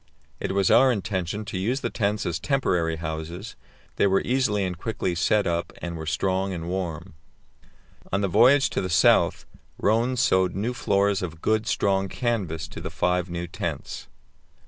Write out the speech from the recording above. It was our intention to use the tents as temporary houses; they were easily and quickly set up, and were strong and warm. On the voyage to the South Rönne sewed new floors of good, strong canvas to the five new tents.